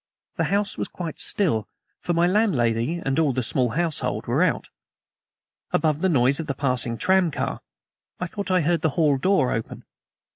The house was quite still, for my landlady and all the small household were out. Above the noise of the passing tramcar I thought I had heard the hall door open.